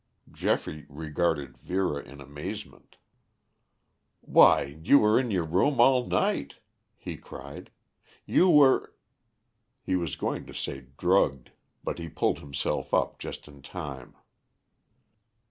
Geoffrey regarded Vera in amazement. "Why, you were in your room all night," he cried. "You were " He was going to say "drugged," but he pulled himself up just in time.